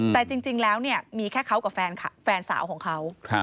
แต่จริงแล้วเนี่ยมีแค่เขากับแฟนสาวของเขา